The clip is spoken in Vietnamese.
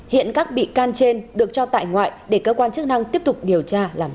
hiện các bị can trên được cho tại ngoại để cơ quan chức năng tiếp tục điều tra làm rõ